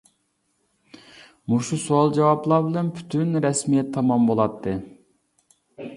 مۇشۇ سوئال-جاۋابلار بىلەن پۈتۈن رەسمىيەت تامام بولاتتى.